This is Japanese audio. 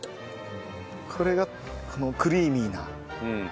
これがクリーミーな。